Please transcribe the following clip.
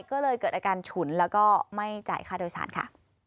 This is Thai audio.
ก็เลยเกิดอาการฉุนแล้วก็ไม่จ่ายค่าโดยสารค่ะ